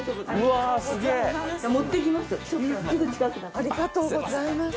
ありがとうございます。